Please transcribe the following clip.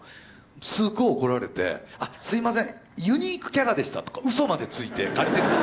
すごい怒られて「あっすいませんユニークキャラでした」とかうそまでついて借りてって。